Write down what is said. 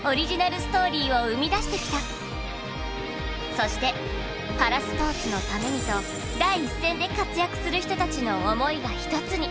そしてパラスポーツのためにと第一線で活躍する人たちの思いが一つに。